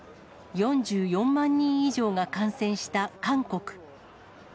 ４４万人以上が感染した韓国。